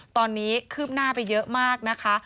ตอนนี้คืบหน้าไปเยอะมากนะคะ